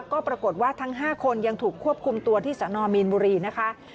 ก็ปรากฏว่าทั้ง๕คนยังถูกควบคุมตัวที่สนมีนบุรีนะคะ